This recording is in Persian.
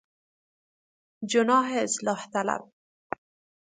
جناح اصلاح طلب